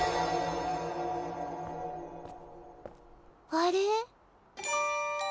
あれ？